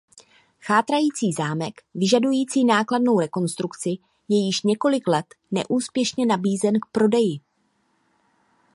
Chátrající zámek vyžadující nákladnou rekonstrukci je již několik let neúspěšně nabízen k prodeji.